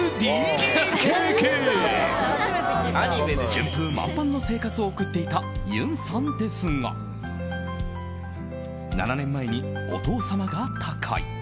順風満帆の生活を送っていたゆんさんですが７年前にお父様が他界。